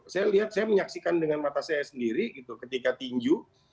saya lihat saya menyaksikan dengan mata saya sendiri gitu ketika tinju